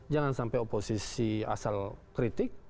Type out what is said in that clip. jangan sampai oposisi asal kritik